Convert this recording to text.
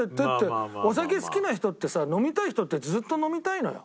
お酒好きな人ってさ飲みたい人ってずっと飲みたいのよ。